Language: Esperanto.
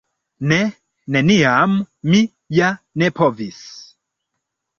Ne, neniam, mi ja ne povis.